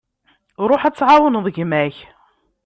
Ruḥ ad tεawneḍ gma-k.